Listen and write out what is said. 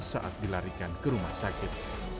saat dilarikan ke rumah sakit